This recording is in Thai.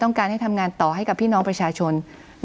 ต้องการให้ทำงานต่อให้กับพี่น้องประชาชน